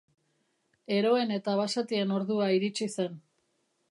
Eroen eta basatien ordua iritsi zen.